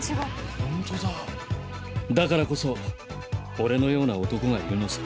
だからこそ俺のような男がいるのさ。